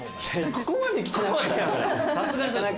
ここまで汚くない？